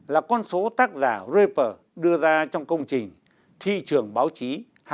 chín mươi chín năm là con số tác giả raper đưa ra trong công trình thị trường báo chí hai nghìn một mươi sáu